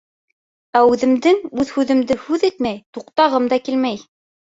Ә үҙемдең үҙ һүҙемде һүҙ итмәй туҡтағым да килмәй.